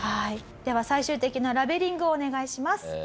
では最終的なラベリングをお願いします。